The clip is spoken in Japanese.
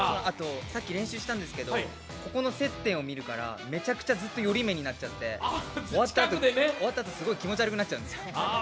さっき練習したんですけど、ここの接点を見るからめちゃめちゃ寄り目になっちゃって終わったあと、すごい気持ち悪くなっちゃうんですよ。